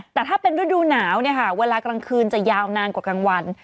แต่ถ้าเป็นฤดูหนาวเนี่ยค่ะเวลากลางคืนจะยาวนานกว่ากลางวัน